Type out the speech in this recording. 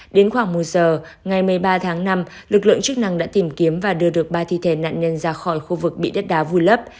đến khoảng một giờ ngày một mươi ba tháng năm lực lượng chức năng đã tìm kiếm và đưa được ba thi thể nạn nhân ra khỏi khu vực bị đất đá vùi lấp